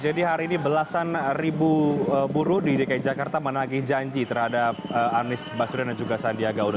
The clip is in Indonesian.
jadi hari ini belasan ribu buruh di dki jakarta menaiki janji terhadap anies baswedan dan juga sandiaga uno